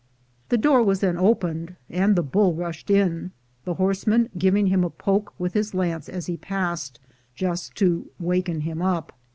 The door was then opened, and the bull rushed in, the horse man giving him a poke with his lance as he passed, just to waken him up.